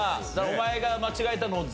お前が間違えたのを。